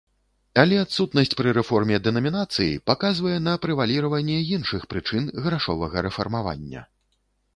Але адсутнасць пры рэформе дэнамінацыі паказвае на прэваліраванне іншых прычын грашовага рэфармавання.